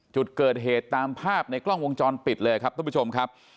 จุดเกิดเหตุตามภาพในกล้องวงจรปิดเลยครับทุกผู้ชมครับ